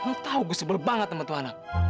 eh lu tau gue sebel banget sama tua anak